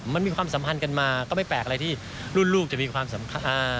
มันมีความสัมพันธ์กันมาก็ไม่แปลกอะไรที่รุ่นลูกจะมีความสำคัญ